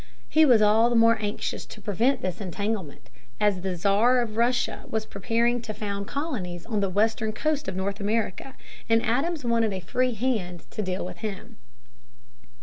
He was all the more anxious to prevent this entanglement, as the Czar of Russia was preparing to found colonies on the western coast of North America and Adams wanted a free hand to deal with him.